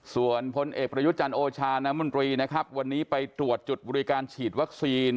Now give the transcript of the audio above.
ส่วนพลเอกประยุจันทร์โอชาน้ำมนตรีนะครับวันนี้ไปตรวจจุดบริการฉีดวัคซีน